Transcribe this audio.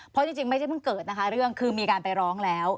เพราะจริงไม่ใช่เพิ่งเกิดนะคะเรื่องคือมีการไปร้องแล้ว